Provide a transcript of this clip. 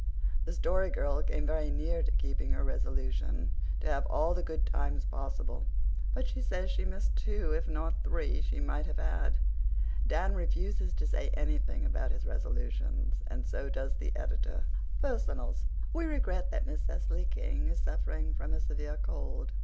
The Story Girl came very near to keeping her resolution to have all the good times possible, but she says she missed two, if not three, she might have had. Dan refuses to say anything about his resolutions and so does the editor. PERSONALS We regret that Miss Cecily King is suffering from a severe cold. Mr.